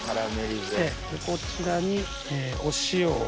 こちらにお塩を。